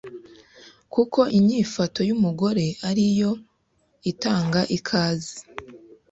kuko inyifato y’umugore ari yo itanga ikaze